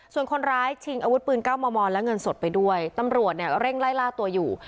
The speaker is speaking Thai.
ส่วนคนร้ายชิงอาวุธปืนเก้ามอมอนและเงินสดไปด้วยตำรวจเนี่ยเร่งไล่ล่าตัวอยู่